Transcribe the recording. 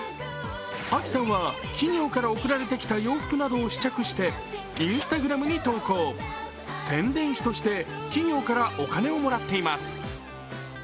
Ａｋｉさんは企業から送られてきた洋服などを試着してＩｎｓｔａｇｒａｍに投稿、宣伝費として企業からお金をもらっています。